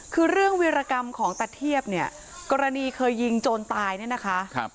คือเรื่องวิรกรรมของตะเทียบเนี่ยกรณีเคยยิงโจรตายเนี่ยนะคะ